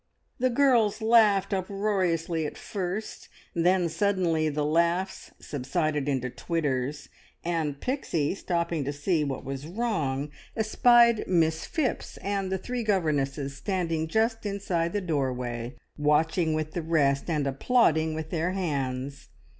The girls laughed uproariously at first, then suddenly the laughs subsided into titters, and Pixie, stopping to see what was wrong, espied Miss Phipps and the three governesses standing just inside the doorway, watching with the rest, and applauding with their hands.